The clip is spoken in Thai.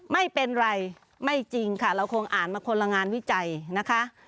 ไม่เป็นไรไม่จริงค่ะเราคงอ่านมาคนละงานวิจัยนะคะ